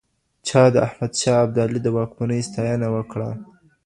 چا د احمد شاه ابدالي د واکمنۍ ستاینه وکړه؟